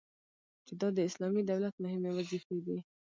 چي دا د اسلامي دولت مهمي وظيفي دي